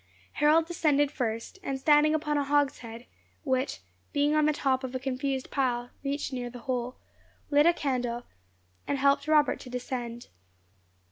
Harold descended first, and standing upon a hogshead, which, being on the top of a confused pile, reached near the hole, lit a candle, and helped Robert to descend.